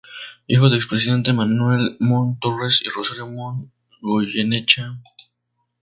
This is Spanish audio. Hijo del expresidente Manuel Montt Torres y Rosario Montt Goyenechea.